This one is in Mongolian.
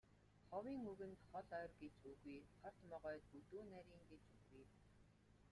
Ховын үгэнд хол ойр гэж үгүй, хорт могойд бүдүүн нарийн гэж үгүй.